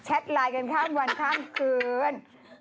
ไลน์กันข้ามวันข้ามคืน